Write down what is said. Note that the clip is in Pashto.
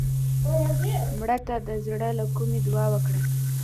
مړه ته د زړه له کومې دعا وکړه